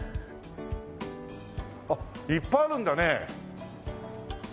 あっいっぱいあるんだね。